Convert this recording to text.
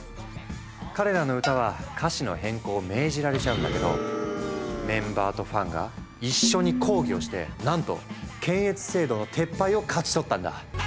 彼らの歌は歌詞の変更を命じられちゃうんだけどメンバーとファンが一緒に抗議をしてなんと検閲制度の撤廃を勝ち取ったんだ。